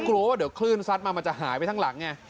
กลัวว่าเดี๋ยวคลื่นซัดมามันจะหายไปทั้งหลังไง